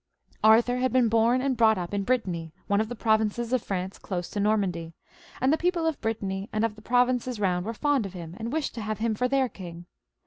Arthur had been born and brought up in Brittany, one of the provinces of France dose to Normandy, and the people of Brittany and of the provinces round were fond of him, and wished to have him for their king.